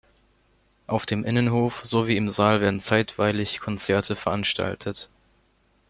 Auf dem Innenhof sowie im Saal werden zeitweilig Konzerte veranstaltet.